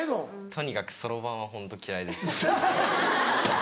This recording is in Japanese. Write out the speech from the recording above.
とにかくそろばんはホント嫌いです。